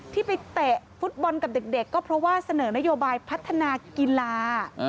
ที่ไปเตะฟุตบอลกับเด็กก็เพราะว่าเสนอนโยบายพัฒนากีฬา